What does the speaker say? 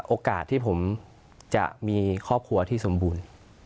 โอกาสที่ผมจะมีครอบครัวที่สมบูรณ์